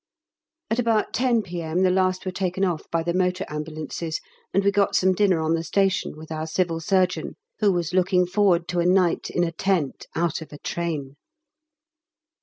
At about 10 P.M. the last were taken off by the motor ambulances, and we got some dinner on the station with our Civil Surgeon, who was looking forward to a night in a tent out of a train.